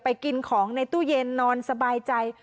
กินของในตู้เย็นนอนสบายใจ